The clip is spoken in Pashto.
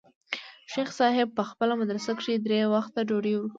شيخ صاحب په خپله مدرسه کښې درې وخته ډوډۍ وركوي.